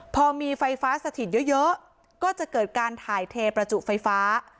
พอมีไฟฟ้าสถิตเยอะก็จะเกิดการถ่ายเทประจุไฟฟ้า